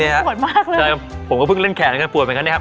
มันปวดมากเลยใช่ครับผมก็พึ่งเล่นแขนกันปวดไปกันเนี้ยครับ